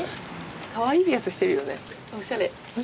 かわいいピアスしてるよねおしゃれ。